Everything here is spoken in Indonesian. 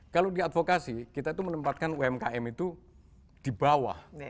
kalau di advokasi kita itu menempatkan umkm itu di bawah